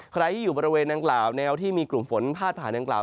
ใครที่อยู่บริเวณดังกล่าวแนวที่มีกลุ่มฝนพาดผ่านดังกล่าว